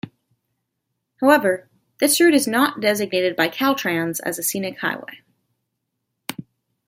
However, this route is not designated by Caltrans as a scenic highway.